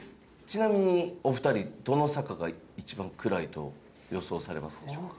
ちなみにお二人どの坂が一番暗いと予想されますでしょうか？